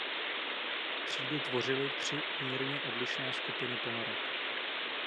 Třídu tvořily tři mírně odlišné skupiny ponorek.